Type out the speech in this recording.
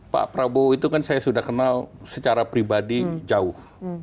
pak prabowo itu kan saya sudah kenal secara pribadi jauh